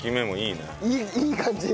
いい感じ。